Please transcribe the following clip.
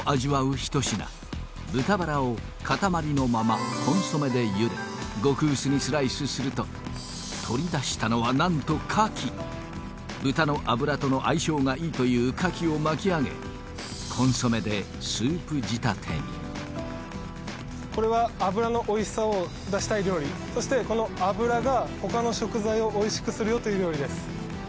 ひと品豚バラを塊のままコンソメで茹で極薄にスライスすると取り出したのはなんと牡蠣豚の脂との相性がいいという牡蠣を巻き上げコンソメでスープ仕立てにこれは脂のおいしさを出したい料理そしてこの脂がほかの食材をおいしくするよという料理です